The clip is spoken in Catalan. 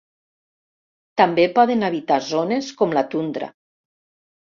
També poden habitar zones com la tundra.